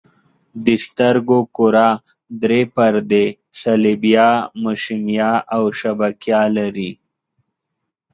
د سترګو کره درې پردې صلبیه، مشیمیه او شبکیه لري.